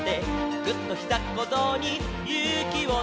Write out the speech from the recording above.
「ぐっ！とひざっこぞうにゆうきをため」